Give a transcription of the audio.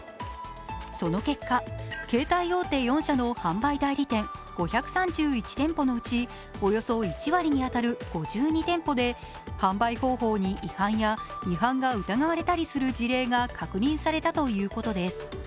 その結果、携帯大手４社の販売代理店５３１店舗のうちおよそ１割に当たる５２店舗で販売方法に違反や違反が疑われたりする事例が確認されたということです。